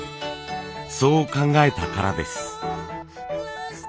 そう考えたからです。